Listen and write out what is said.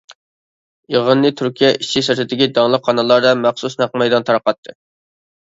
يىغىننى تۈركىيە ئىچى-سىرتىدىكى داڭلىق قاناللاردا مەخسۇس نەق مەيدان تارقاتتى.